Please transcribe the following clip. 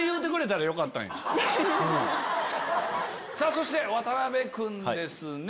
そして渡君ですね。